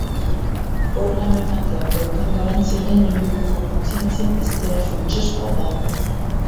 Organo-emateak daukan garrantziaren inguruko kontzientzia piztea funtsezkoa da.